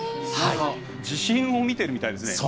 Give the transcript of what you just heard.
地震を見てるみたいですね。